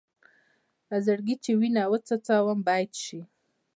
له زړګي چې وینه وڅڅوم بیت شي.